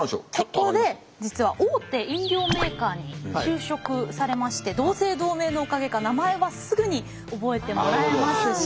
ここで実は大手飲料メーカーに就職されまして同姓同名のおかげか名前はすぐに覚えてもらえますし。